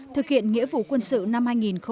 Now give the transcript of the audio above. thực hiện nghĩa vụ quân sự năm hai nghìn một mươi tám